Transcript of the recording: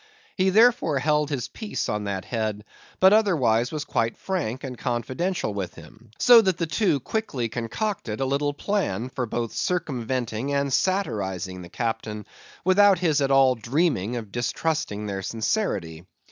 He therefore held his peace on that head, but otherwise was quite frank and confidential with him, so that the two quickly concocted a little plan for both circumventing and satirizing the Captain, without his at all dreaming of distrusting their sincerity.